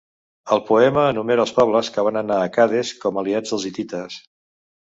El poema enumera els pobles que van anar a Kadesh com aliats dels hitites.